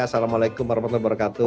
assalamualaikum warahmatullahi wabarakatuh